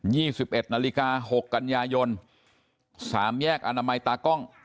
ี่สิบเอ็ดนาฬิกาหกกันยายนสามแยกอนามัยตากล้อง